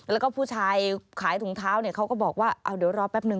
แล้วก็ผู้ชายขายถุงเท้าเขาก็บอกว่าเดี๋ยวรอแป๊บหนึ่ง